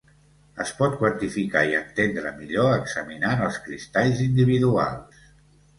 Es pot quantificar i entendre millor examinant els cristalls individuals.